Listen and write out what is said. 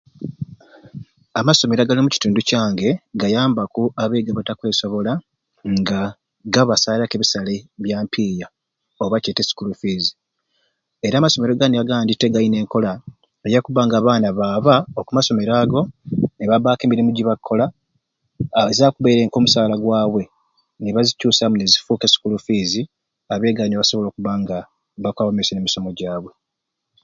Amasomero agali omukitundu kyange gayambaku abeegi abatakwesobola nga gabasaalaku ebisale bya mpiiya oba kyete sikuulu fiizi. Era amasomero gano agandi te galina enkola eyakubba nga abaana baaba oku masomero ago nibabbaku emirimu gibakkola a azakubaire ka omusaala gwabwe nibazicuusamu nezifuuka e sikuulu fiizi abeegi awo nibasobola okubba nga bakwaba mumaaiso n'emisomo gyabwe.